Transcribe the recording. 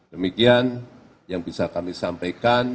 demikian yang bisa kami sampaikan